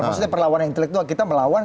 maksudnya perlawanan intelektual kita melawan